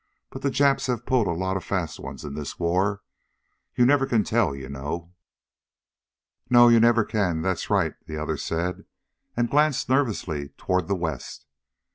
"But the Japs have pulled a lot of fast ones in this war. You never can tell, you know." "No, you never can, that's right," the other said, and glanced nervously toward the west.